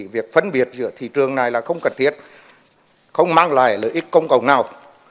việc phân biệt giữa thị trường này là không cần thiết không mang lại lợi ích công cầu nào